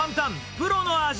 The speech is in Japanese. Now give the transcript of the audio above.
プロの味。